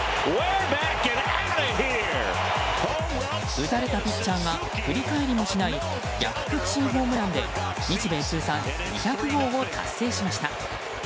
打たれたピッチャーが振り返りもしない逆確信ホームランで日米通算２００号を達成しました。